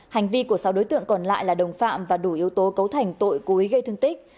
hành vi của sáu đối tượng còn lại là đồng phạm và đủ yếu tố cấu thành tội cố ý gây thương tích